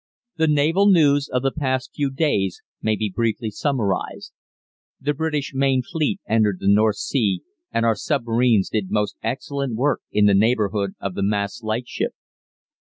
"The naval news of the past few days may be briefly summarised. The British main fleet entered the North Sea, and our submarines did most excellent work in the neighbourhood of the Maas Lightship.